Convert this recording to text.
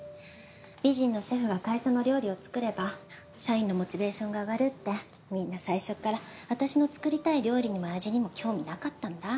美人のシェフが会社の料理を作れば社員のモチベーションが上がるってみんな最初っから私の作りたい料理にも味にも興味なかったんだ。